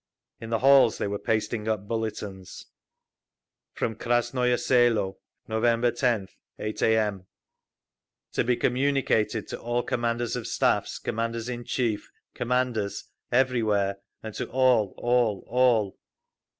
In the halls they were pasting up bulletins: FROM KRASNOYE SELO, NOVEMBER 10TH, 8 A.M. _To be communicated to all Commanders of Staffs, Commanders in Chief, Commanders, everywhere and to all, all, all.